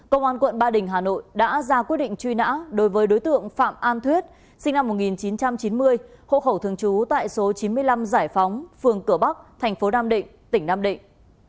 công an quận ba đình hà nội đã ra quyết định truy nã đối với đối tượng phạm an thuyết sinh năm một nghìn chín trăm chín mươi hộ khẩu thường trú tại số chín mươi năm giải phóng phường cửa bắc thành phố nam định tỉnh nam định